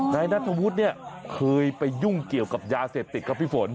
นายนัทธวุฒิเนี่ยเคยไปยุ่งเกี่ยวกับยาเสพติดครับพี่ฝน